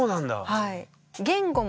はい。